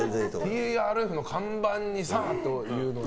ＴＲＦの看板にさっていうのは。